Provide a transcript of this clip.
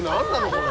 これ。